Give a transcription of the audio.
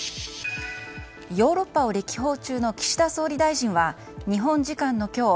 ヨーロッパを歴訪中の岸田総理大臣は日本時間の今日